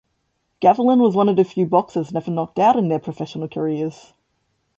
Gavilan was one of the few boxers never knocked out in their professional careers.